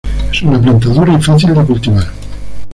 Es una planta dura y fácil de cultivar.